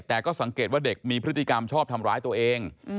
แต่ก็สังเกตว่าเด็กมีพฤติกรรมชอบทำร้ายตัวเอง